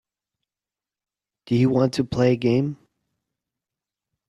Do you want to play a game.